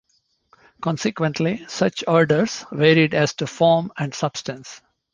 Consequently, such orders varied as to form and substance.